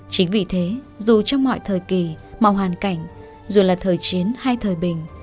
chính vì thế dù trong mọi thời kỳ mau hoàn cảnh dù là thời chiến hay thời bình